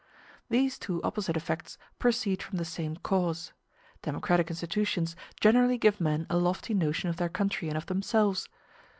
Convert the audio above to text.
These two opposite effects proceed from the same cause. Democratic institutions generally give men a lofty notion of their country and of themselves.